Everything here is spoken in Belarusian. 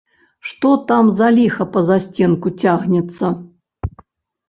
Што там за ліха па засценку цягнецца?